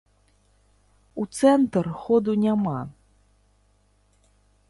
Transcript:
У цэнтр ходу няма.